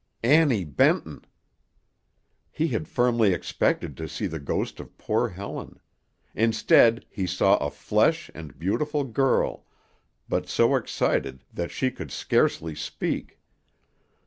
Annie Benton! He had firmly expected to see the ghost of poor Helen; instead he saw a fresh and beautiful girl, but so excited that she could scarcely speak.